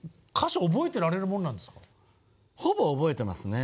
ほぼ覚えていますね。